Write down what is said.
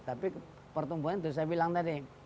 tapi pertumbuhan itu saya bilang tadi